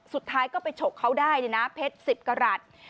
สุดท้ายก็ไปฉกเขาได้เลยนะเพชร๑๐กรัฐ